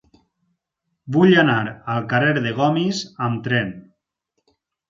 Vull anar al carrer de Gomis amb tren.